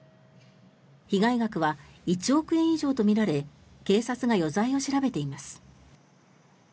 被害額は１億円以上とみられ警察が余罪を調べています。